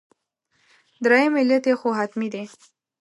درېیم علت یې خو حتمي دی.